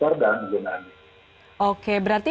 oke berarti penggunaan dexamethasone ini untuk penyelamatkan